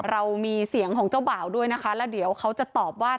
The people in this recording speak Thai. เรามีเสียงของเจ้าบ่าวด้วยนะคะแล้วเดี๋ยวเขาจะตอบว่า